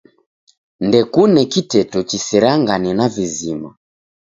Ndekune kiteto chiserangane na vizima.